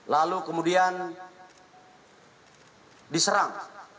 lalu kemudian diserang